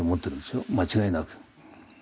間違いなく。